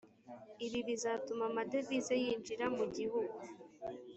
ibi bizatuma amadevize yinjira mu gihugu